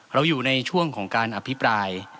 อยู่ในช่วงของการอภิปราย